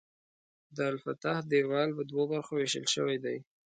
د الفتح دیوال په دوو برخو ویشل شوی دی.